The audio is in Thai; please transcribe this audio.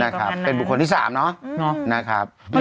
นะครับเป็นบุคคลที่๓เนอะนะครับอืมอืมอืมอืมอืมอืมอืมอืม